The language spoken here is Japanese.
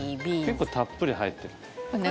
結構たっぷり入ってる。